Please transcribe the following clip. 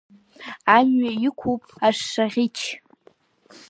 Амҩа иқәуп ашшаӷьыч.